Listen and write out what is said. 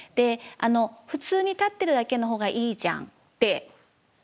普通に立ってるだけのほうがいいじゃんってその振付より。